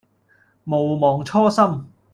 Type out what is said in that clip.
毋忘初心